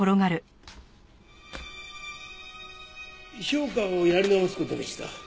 評価をやり直す事にした。